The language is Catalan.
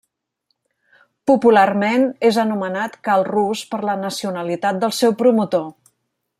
Popularment és anomenat Cal Rus per la nacionalitat del seu promotor.